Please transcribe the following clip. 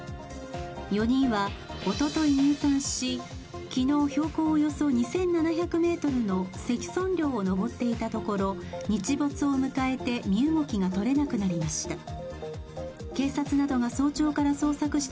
４人はおととい入山し、昨日、標高およそ２７００ｍの石尊稜を登っていたところ、日没を迎えて身動きがとれなくなりました。